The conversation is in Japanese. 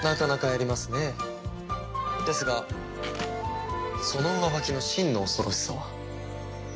ですがその上履きの真の恐ろしさは。